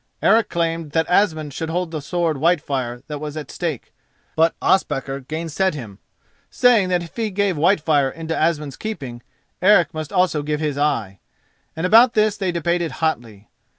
Eric claimed that Asmund should hold the sword Whitefire that was at stake, but Ospakar gainsaid him, saying that if he gave Whitefire into Asmund's keeping, Eric must also give his eye—and about this they debated hotly.